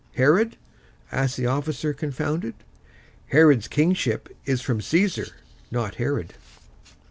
"Herod?" asked the officer, confounded. "Herod's kingship is from Caesar; not Herod."